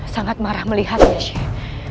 sangat marah melihatnya sheikh